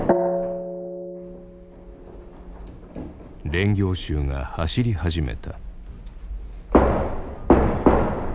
練行衆が走り始めた。